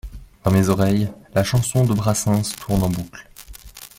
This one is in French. Dans mes oreilles, la chanson de Brassens tourne en boucle.